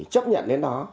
chấp nhận đến đó